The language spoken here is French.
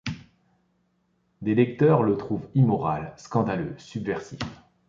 Des lecteurs le trouvent immoral, scandaleux, subversif.